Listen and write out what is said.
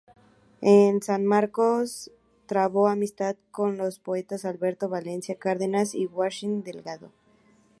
En San Marcos trabó amistad con los poetas Alberto Valencia Cárdenas y Washington Delgado.